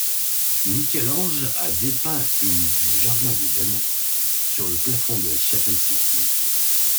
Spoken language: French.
Michel-Ange a dépeint une du jardin d'Éden sur le plafond de la chapelle Sixtine.